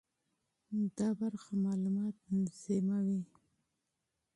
دا برخه معلومات تنظیموي.